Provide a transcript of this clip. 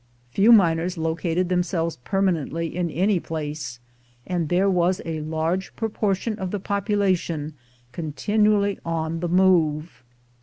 Few miners located them selves permanently in any place, and there was a large proportion of the population continually on the move.